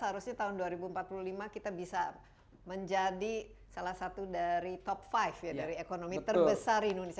harusnya tahun dua ribu empat puluh lima kita bisa menjadi salah satu dari top lima ya dari ekonomi terbesar di indonesia